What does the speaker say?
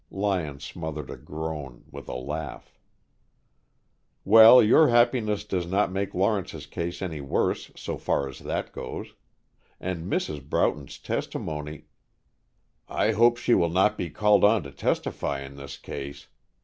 Lyon smothered a groan with a laugh. "Well, your happiness does not make Lawrence's case any worse, so far as that goes. And Mrs. Broughton's testimony " "I hope she will not be called on to testify in this case.